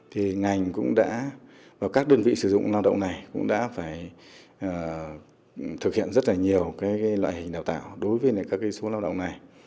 thì ngành cũng đã và các đơn vị sử dụng lao động này cũng đã phải thực hiện rất là nhiều loại hình đào tạo đối với các số lao động này